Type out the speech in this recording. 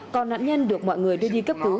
còn nạn nhân được mọi người đưa đi cấp cứu